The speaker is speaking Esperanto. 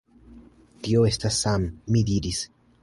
Tio estas Sam, mi diris.